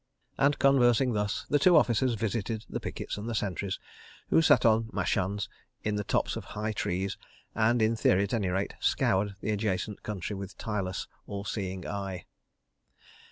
And conversing thus, the two officers visited the pickets and the sentries, who sat on machans in the tops of high trees and, in theory at any rate, scoured the adjacent country with tireless all seeing eye.